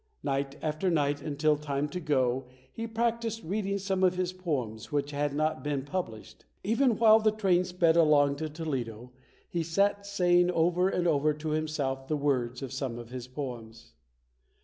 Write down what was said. Night after night, until time to go, he practiced reading some of his poems which had not been published. Even while the train sped along to Toledo, he sat saying over and over to himself the words of some of the poems.